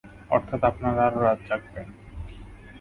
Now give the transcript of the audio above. অর্থাৎ আপনারা আরো রাত জািগবেন!